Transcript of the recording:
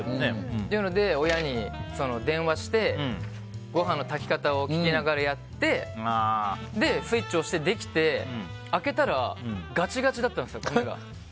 っていうので、親に電話してご飯の炊き方を聞きながらやってスイッチ押してできて、開けたらガチガチだったんですよ、米が。